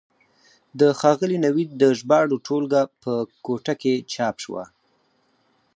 د ښاغلي نوید د ژباړو ټولګه په کوټه کې چاپ شوه.